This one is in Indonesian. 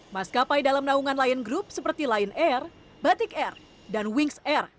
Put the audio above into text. maskapai dalam naungan lion group seperti lion air batik air dan wings air